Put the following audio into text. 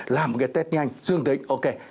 làm cái test nhanh dương tính